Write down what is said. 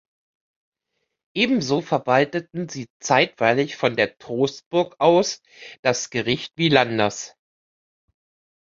Ebenso verwalteten sie zeitweilig von der Trostburg aus das Gericht Villanders.